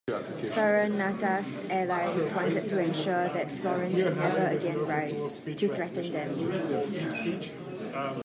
Farinata's allies wanted to ensure that Florence would never again rise to threaten them.